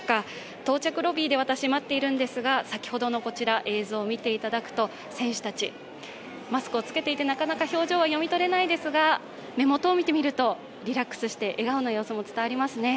到着ロビーで待っているんですが、先ほどの映像を見てみますと選手たち、マスクを着けていて、なかなか表情は読み取れないですが、目元を見てみると、リラックスして笑顔の様子も伝わりますね。